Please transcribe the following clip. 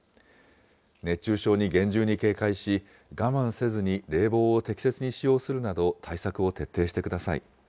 熱中症に厳重に警戒し、我慢せずに冷房を適切に使用するなど、対策を徹底してください。